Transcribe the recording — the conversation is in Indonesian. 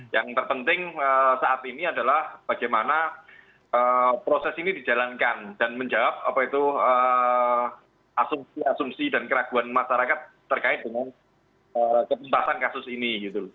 yang terpenting saat ini adalah bagaimana proses ini dijalankan dan menjawab asumsi asumsi dan keraguan masyarakat terkait dengan kepentasan kasus ini